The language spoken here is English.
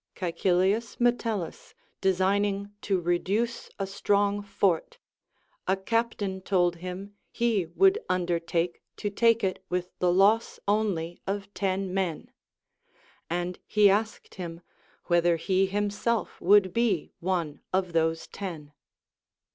Caecilius Metellus designing to reduce a strong fort, a captain told him he would under take to take it with the loss only of ten men ; and he asked him, whether he himself would be one of those ten.